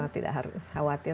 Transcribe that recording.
tidak harus khawatir